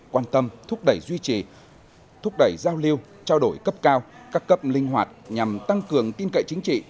quan tâm thúc đẩy duy trì thúc đẩy giao lưu trao đổi cấp cao các cấp linh hoạt nhằm tăng cường tin cậy chính trị